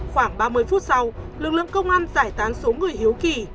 khoảng ba mươi phút sau lực lượng công an giải tán số người hiếu kỳ